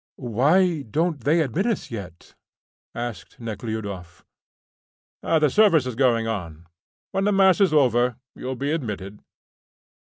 "Why don't they admit us yet?" asked Nekhludoff. "The service is going on. When the mass is over, you'll be admitted."